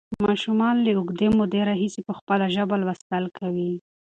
ماشومان له اوږدې مودې راهیسې په خپله ژبه لوستل کوي.